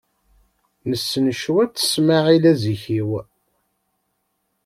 Nessen cwiṭ Smaɛil Azikiw.